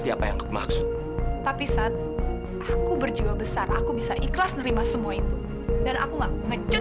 saya nggak sengaja ini saya nggak sengaja